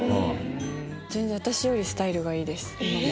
私よりスタイルがいいです今も。